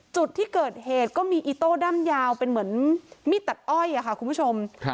จุดที่เกิดเหตุก็มีอิโต้ด้ำยาวเป็นเหมือนมีดตัดอ้อยค่ะคุณผู้ชม